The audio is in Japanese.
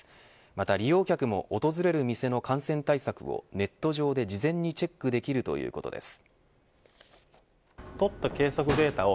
また利用客も訪れる店の感染対策をネット上で事前にチェックできるということです。